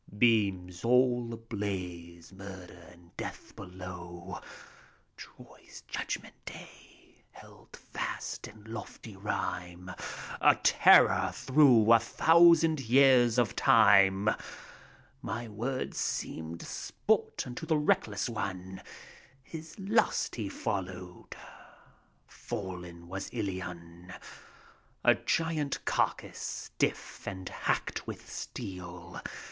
Beams all a blaze, murder and death below, — Troy's judgment day, held fast in lofty rhyme, A terror through a thousand years of time I My words seemed sport unto the reckless one : His lust he followed : fallen was Uion, — 120 FAUST. A giant carcass, stiff, and hacked with steel.